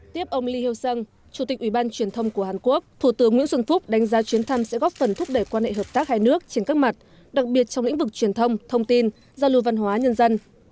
tiếp ông lee hyo seong chủ tịch ủy ban truyền thông của hàn quốc thủ tướng nguyễn xuân phúc đánh giá chuyến thăm sẽ góp phần thúc đẩy quan hệ hợp tác hai nước trên các mặt đặc biệt trong lĩnh vực truyền thông thông tin giao lưu văn hóa nhân dân